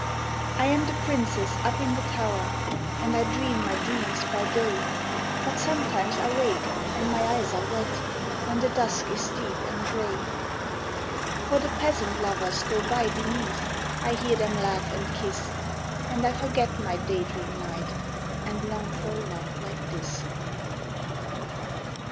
I am the princess up in the tower, And I dream my dreams by day, But sometimes I wake, and my eyes are wet, When the dusk is deep and gray. For the peasant lovers go by beneath, I hear them laugh and kiss, And I forget my day dream knight, And long for a love like this.